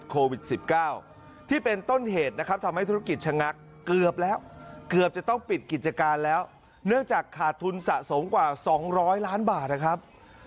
เกือบจะต้องปิดกิจการแล้วเนื่องจากขาดทุนสะสมกว่า๒๐๐ล้านบาทนะครับ